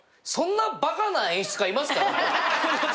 そんなバカな演出家いますか？